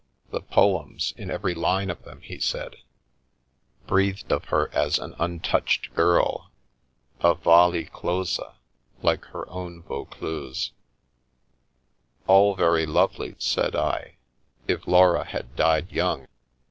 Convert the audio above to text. The poems, in every line of them, he said, breathed of her as an untouched girl, a " Vallis Clausa/' like her own Vaucluse. " All very lovely," said I, " if Laura had died young.